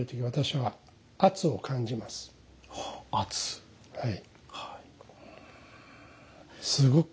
はい。